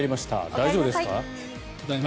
大丈夫ですか？